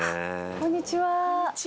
こんにちは。